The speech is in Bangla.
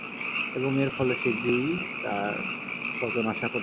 এবং এর ফলে শিগগিরই তার পতন আশা করতে পোর।